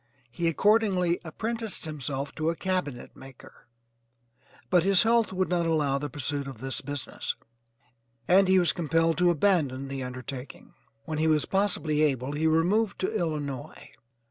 He accordingly apprenticed himself to a cabinet maker, but his health would not allow the pursuit of this business, and he was compelled to abandon the undertaking. When he was possibly able he removed to Illinois.